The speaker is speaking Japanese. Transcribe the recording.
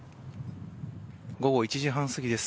午後１時半過ぎです。